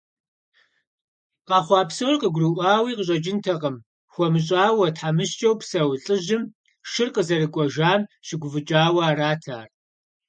Къэхъуа псор къыгурыӏуауи къыщӏэкӏынтэкъым хуэмыщӏауэ, тхьэмыщкӏэу псэу лӏыжьым, шыр къызэрыкӏуэжам щыгуфӏыкӏауэ арат ар.